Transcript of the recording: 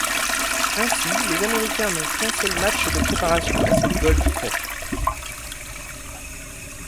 Ainsi, les Américains n'ont qu'un seul match de préparation à cette Gold Cup.